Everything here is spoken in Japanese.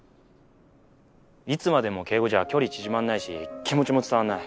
いつまでも敬語じゃ距離縮まんないし気持ちも伝わんない。